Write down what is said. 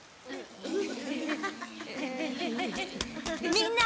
みんな！